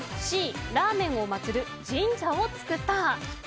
Ｃ、ラーメンを祭る神社を作った。